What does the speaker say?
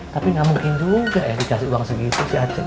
tapi gak mungkin juga ya dikasih uang segitu si aceh